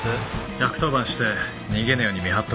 １１０番して逃げねえように見張っとけ。